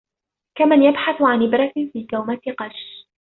كَمن يبحث عن إبرة في كومة قَشّ.